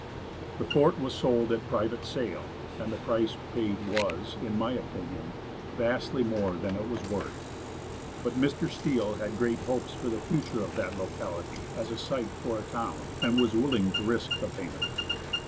The fort was sold at private sale, and the price paid was, in my opinion, vastly more than it was worth; but Mr. Steele had great hopes for the future of that locality as a site for a town, and was willing to risk the payment.